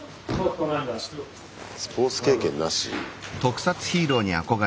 スポーツ経験なし。